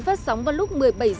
phát sóng vào lúc một mươi bảy h